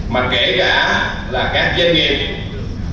mà kể cả các tổ chức quốc tế các chuyên gia trong và ngoài nước